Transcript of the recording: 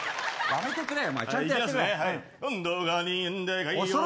やめてくれよ。